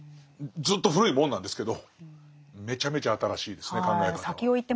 ずっと古いもんなんですけどめちゃめちゃ新しいですね考え方が。